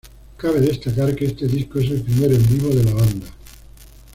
Cabe destacar que este disco es el primero en vivo de la banda.